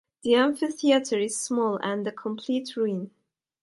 The amphitheater is small and a complete ruin.